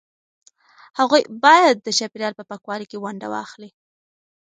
هغوی باید د چاپیریال په پاکوالي کې ونډه واخلي.